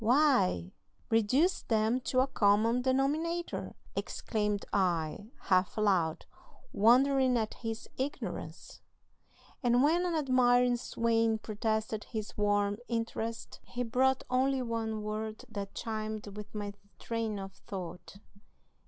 "'Why, reduce them to a common denominator,' exclaimed I, half aloud, wondering at his ignorance. "And when an admiring swain protested his warm 'interest,' he brought only one word that chimed with my train of thought.